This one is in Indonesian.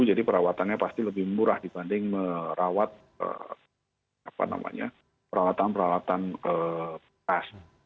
jadi perawatannya pasti lebih murah dibanding merawat apa namanya peralatan peralatan bekas